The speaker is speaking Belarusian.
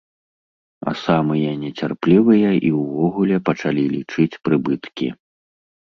А самыя нецярплівыя і ўвогуле пачалі лічыць прыбыткі.